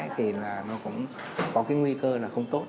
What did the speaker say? thì là nó cũng có cái nguy cơ là không tốt